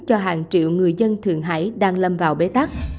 cho hàng triệu người dân thượng hải đang lâm vào bế tắc